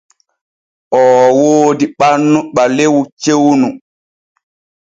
Oo woodi ɓannu ɓalew cewnu.